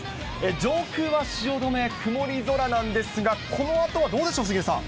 上空は汐留、曇り空なんですが、このあとはどうでしょう、杉江さん。